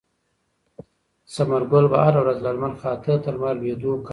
ثمرګل به هره ورځ له لمر خاته تر لمر لوېدو کار کوي.